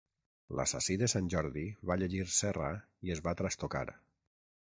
L'assassí de Sant Jordi va llegir Serra i es va trastocar.